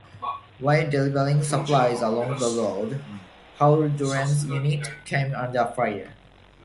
While delivering supplies along the road, Hauldren's unit came under fire.